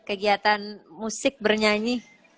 kegiatan musik bernyanyi